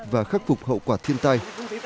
và khắc phục hậu quả thiên tai